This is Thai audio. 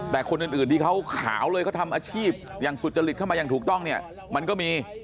แต่คนอื่นที่เขาขาวเลยเขาทำอาชีพอย่างสุจริตเข้ามาอย่างถูกต้องเนี่ยมันก็มี